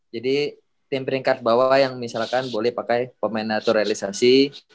jadi tim peringkat bawah yang misalkan boleh pakai pemain naturalisasi